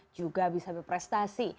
juga bisa berprestasi